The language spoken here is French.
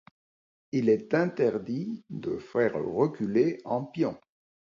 Il est interdit de faire reculer un pion.